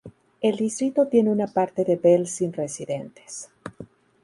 El distrito tiene una parte de Bell sin residentes.